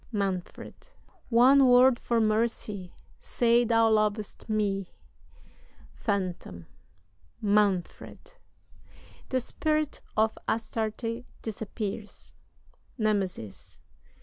"MANFRED. One word for mercy! Say thou lovest me. "PHANTOM. Manfred!" [The Spirit of ASTARTE disappears.] "NEMESIS.